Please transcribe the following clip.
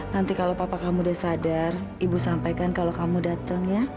nanti kalau papa kamu udah sadar ibu sampaikan kalau kamu datang ya